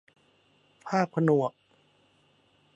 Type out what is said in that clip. ภาคผนวก